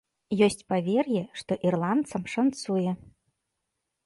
Ёсць павер'е, што ірландцам шанцуе.